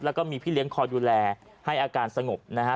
แล้วก็มีพี่เลี้ยงคอยดูแลให้อาการสงบนะฮะ